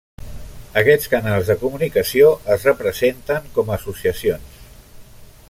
Aquests canals de comunicació es representen com a associacions.